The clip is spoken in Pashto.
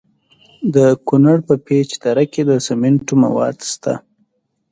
د کونړ په پیچ دره کې د سمنټو مواد شته.